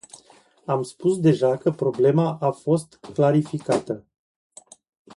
Am spus deja că problema a fost clarificată.